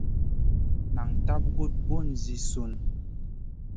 Nan tab gu bùn zi sùn.